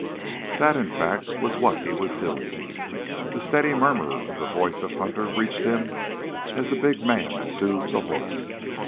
That, in fact, was what he was doing. The steady murmur of the voice of Hunter reached him as the big man soothed the horse.